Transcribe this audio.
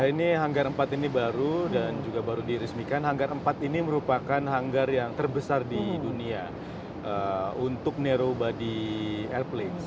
ini hangar empat ini baru dan juga baru dirismikan hangar empat ini merupakan hangar yang terbesar di dunia untuk narrow body airplanes